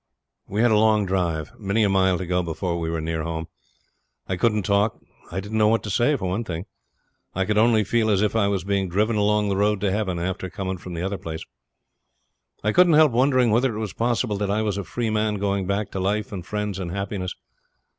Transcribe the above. We had a long drive many a mile to go before we were near home. I couldn't talk; I didn't know what to say, for one thing. I could only feel as if I was being driven along the road to heaven after coming from the other place. I couldn't help wondering whether it was possible that I was a free man going back to life and friends and happiness.